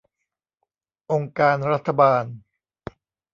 องค์การรัฐบาล